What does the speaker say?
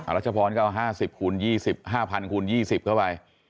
รัชพรก็เอา๕๐คูณ๒๐๕๐๐คูณ๒๐เข้าไป